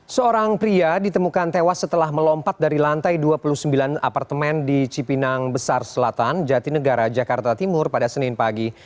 seorang pria ditemukan tewas setelah melompat dari lantai dua puluh sembilan apartemen di cipinang besar selatan jatinegara jakarta timur pada senin pagi